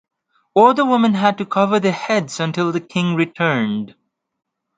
All the women had to cover their heads until the king returned.